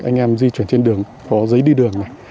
anh em di chuyển trên đường có giấy đi đường này